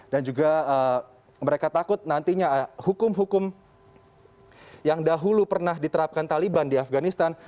juga mereka takut nantinya hukum hukum yang dahulu pernah diterapkan taliban di afganistan